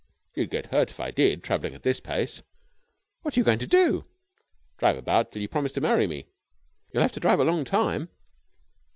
"You'd get hurt if I did, travelling at this pace." "What are you going to do?" "Drive about till you promise to marry me." "You'll have to drive a long time."